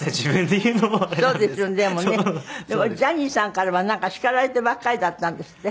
でもジャニーさんからはなんか叱られてばっかりだったんですって？